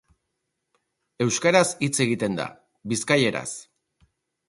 Euskaraz hitz egiten da: bizkaieraz.